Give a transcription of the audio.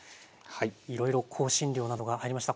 いろいろ香辛料などが入りました。